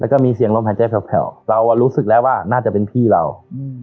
แล้วก็มีเสียงลมหายใจแผลวเรารู้สึกแล้วว่าน่าจะเป็นพี่เรา